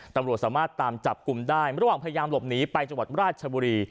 ตำรวจสามารถตามจับกลุ่มได้ระหว่างพยายามหลบหนีไปจังหวัดราชบุรี